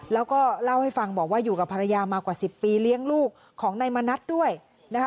แล้วก็เล่าให้ฟังบอกว่าอยู่กับภรรยามากว่า๑๐ปีเลี้ยงลูกของนายมณัฐด้วยนะคะ